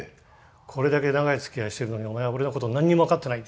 「これだけ長いつきあいしてるのにお前は俺のことを何も分かってない」。